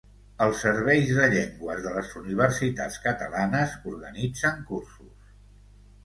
Els serveis de llengües de les universitats catalanes organitzen cursos.